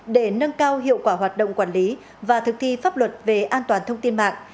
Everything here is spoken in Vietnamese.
để nâng cao hiệu quả hoạt động quản lý và thực thi pháp luật về an toàn thông tin mạng